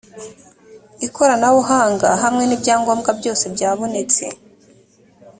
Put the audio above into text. ikoranabuhanga hamwe n’ibyangombwa byose byabonetse